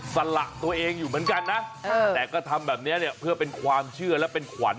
สละตัวเองอยู่เหมือนกันนะแต่ก็ทำแบบนี้เนี่ยเพื่อเป็นความเชื่อและเป็นขวัญ